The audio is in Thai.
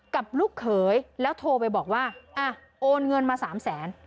ลูกเขยแล้วโทรไปบอกว่าอ่ะโอนเงินมาสามแสน